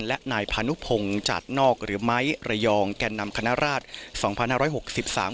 และนายพานุพงศ์จาดนอกหรือไม้ระยองแก่นำคณราชสองพันห้าร้อยหกสิบสาม